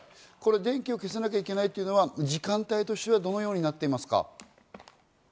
電気を消さなきゃいけないというのは時間帯としてはどのようになっていますか？